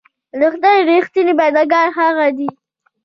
د خدای رښتيني بندګان هغه دي.